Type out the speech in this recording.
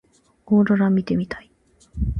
オーロラ見てみたい。